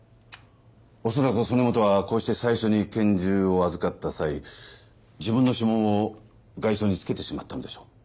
恐らく曽根本はこうして最初に拳銃を預かった際自分の指紋を外装につけてしまったのでしょう。